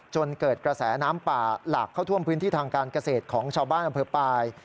จนเกิดกระแสน้ำป่าหลากเข้าท่วมพื้นที่ทางการเกษตรของชาวบ้านอำเภอปลาย